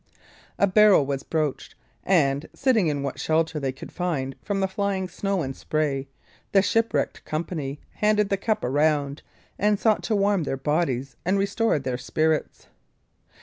A barrel was broached, and, sitting in what shelter they could find from the flying snow and spray, the shipwrecked company handed the cup around, and sought to warm their bodies and restore their spirits.